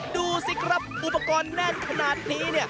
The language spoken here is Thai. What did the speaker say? ดูสิครับอุปกรณ์แน่นขนาดนี้เนี่ย